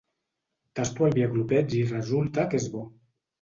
Tasto el vi a glopets i resulta que és bo.